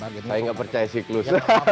saya tidak percaya siklus